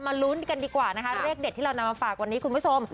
ลุ้นกันดีกว่านะคะเลขเด็ดที่เรานำมาฝากวันนี้คุณผู้ชม